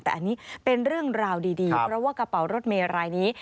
แต่อันนี้เป็นเรื่องราวดีเพราะว่ากระเป๋ารถเมย์รายนี้